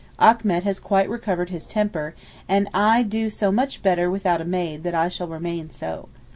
Achmet has quite recovered his temper, and I do so much better without a maid that I shall remain so.